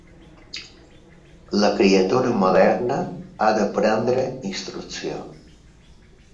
La criatura moderna, ha de prendre instrucció